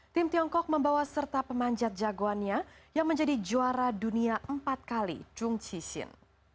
tim tiongkok membawa serta pemanjat jagoannya yang menjadi juara dunia empat kali chung chi shin